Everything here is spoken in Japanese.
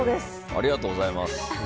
ありがとうございます。